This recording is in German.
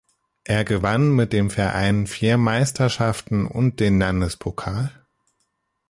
Er gewann mit dem Verein vier Meisterschaften und den Landespokal.